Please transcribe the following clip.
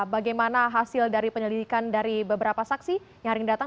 bagaimana hasil dari penyelidikan dari beberapa saksi yang hari ini datang